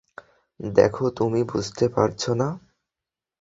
দেখো, তুমি বুঝতে পারছো না?